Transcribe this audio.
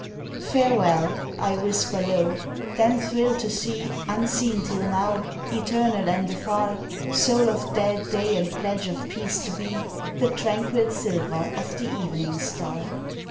" Farewell!" I whisper low then thrill to see, Unseen till now, eternal and afar, Soul of dead day and pledge of peace to be, The tranquil silver of the evening star.